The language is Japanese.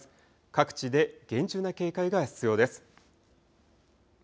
各地で厳重な警戒が必要です。